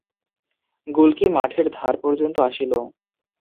গুলকী মাঠের ধার পর্যন্ত আসিল।